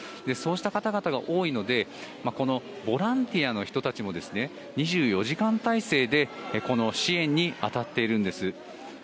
そうした方々が多いのでボランティアの人たちも２４時間態勢でこの支援に当たっているんです。